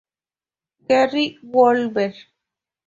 Kerry Weaver.